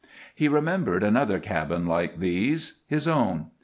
He remembered another cabin like these his own.